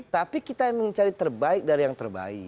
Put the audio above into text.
tapi kita yang mencari terbaik dari yang terbaik